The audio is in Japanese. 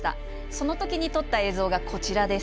その時に撮った映像がこちらです。